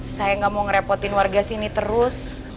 saya nggak mau ngerepotin warga sini terus